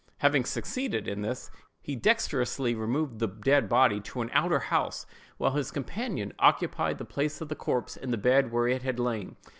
Having succeeded in this, he dexterously removed the dead body to an outer house, while his companion occupied the place of the corpse in the bed where it had lain.